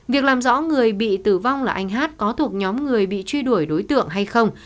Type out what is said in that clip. việc làm rõ người bị tử vong là anh hát có thuộc nhóm người bị truy đuổi đối tượng hay không